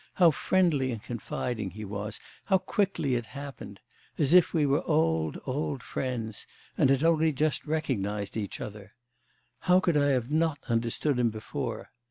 How friendly and confiding he was! How quickly it happened! As if we were old, old friends and had only just recognised each other. How could I have not understood him before?